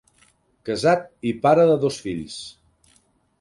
Casat i pare de dos fills.